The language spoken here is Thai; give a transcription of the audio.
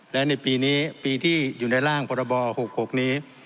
และในปีนี้ปีที่อยู่ในร่างพรบ๖๖นี้